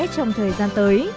trong thời gian tới